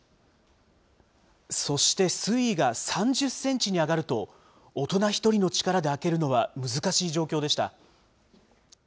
そして水位が３０センチに上がると、大人１人の力で開けるのは難しい状況でした。